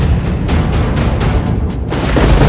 mereka akan menyerah